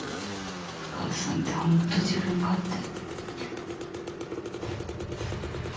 お母さんって本当自分勝手。